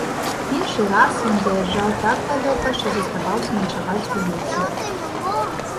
Іншы раз ён заязджаў так далёка, што заставаўся начаваць у лесе.